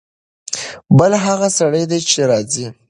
بل هغه سړی دی چې راځي.